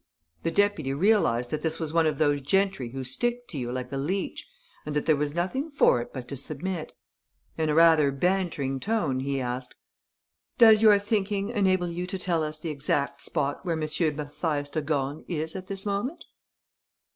The deputy realized that this was one of those gentry who stick to you like a leech and that there was nothing for it but to submit. In a rather bantering tone, he asked: "Does your thinking enable you to tell us the exact spot where M. Mathias de Gorne is at this moment?"